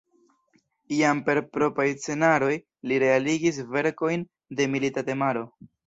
Jam per propraj scenaroj li realigis verkojn de milita temaro.